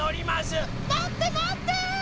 まってまって！